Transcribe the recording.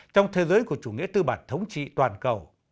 trong thế giới của chủ nghĩa tư bản thống trị toàn cầu